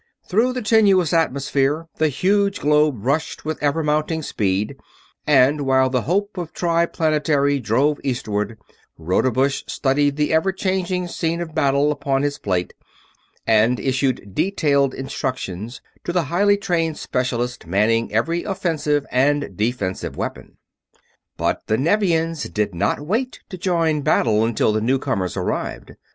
Through the tenuous atmosphere the huge globe rushed with ever mounting speed, and while the hope of Triplanetary drove eastward Rodebush studied the ever changing scene of battle upon his plate and issued detailed instructions to the highly trained specialists manning every offensive and defensive weapon. But the Nevians did not wait to join battle until the newcomers arrived.